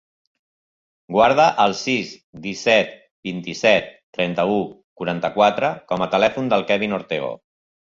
Guarda el sis, disset, vint-i-set, trenta-u, quaranta-quatre com a telèfon del Kevin Ortego.